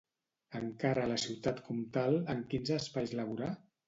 Encara a la Ciutat Comtal, en quins espais laborà?